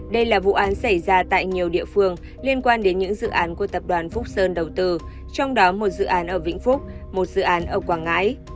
đây là vụ án xảy ra tại nhiều địa phương liên quan đến những dự án của tập đoàn phúc sơn đầu tư trong đó một dự án ở vĩnh phúc một dự án ở quảng ngãi